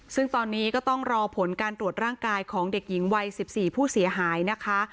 ซึ่งตอนนี้ก็ต้องรอผลการตรวจร่างกายของเด็กหญิงวัย๑๔ผู้เสียหายนะคะ